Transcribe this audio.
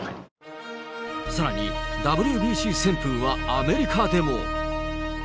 さらにＷＢＣ旋風はアメリカでも。